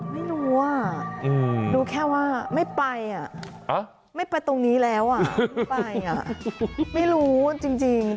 ไม่รู้อ่ะรู้แค่ว่าไม่ไปไม่ไปตรงนี้แล้วไปไม่รู้จริง